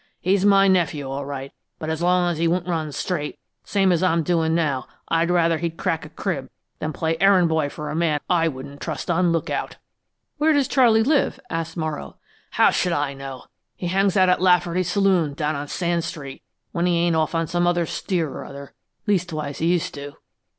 He's my nephew, all right, but as long as he won't run straight, same as I'm doin' now, I'd rather he'd crack a crib than play errand boy for a man I wouldn't trust on look out!" "Where does Charley live?" asked Morrow. "How should I know? He hangs out at Lafferty's saloon, down on Sand Street, when he ain't off on some steer or other leastways he used to."